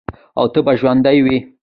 او تل به ژوندی وي.